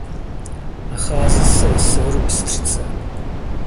Nachází se na severu Bystřice.